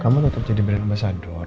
kamu tetap jadi brand ambasador